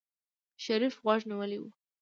شريف غوږ نيولی و.